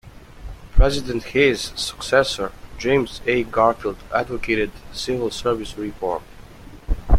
President Hayes' successor, James A. Garfield, advocated Civil Service reform.